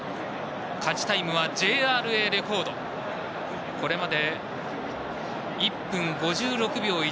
勝ちタイムはＪＲＡレコードこれまで１分５６秒１。